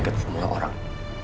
ke semua orang